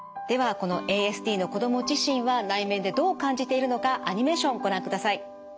このＡＳＤの子ども自身は内面でどう感じているのかアニメーションをご覧ください。